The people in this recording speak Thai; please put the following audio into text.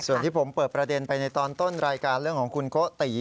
ส่วนที่ผมเปิดประเด็นไปในตอนต้นรายการเรื่องของคุณโกติ